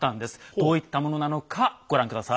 どういったものなのかご覧下さい。